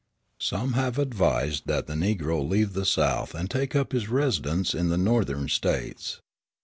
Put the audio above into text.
Some have advised that the Negro leave the South and take up his residence in the Northern States.